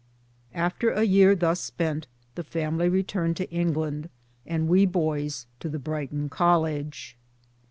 After a year thus spent, the family returned to England, and we boys to the Brighton College.